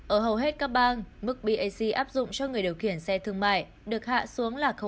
ở hầu hết các bang mức bac áp dụng cho người điều khiển xe thương mại được hạ xuống là